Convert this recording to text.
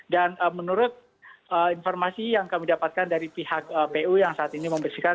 dan menurut informasi yang kami dapatkan dari pihak pu yang saat ini membersihkan